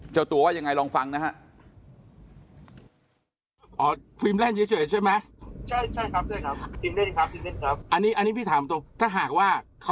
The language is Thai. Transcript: เจ้าตัวว่ายังไงลองฟังนะฮะ